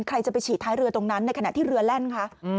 ใครจะไปฉีดท้ายเรือตรงนั้นในขณะที่เรือแล่นคะ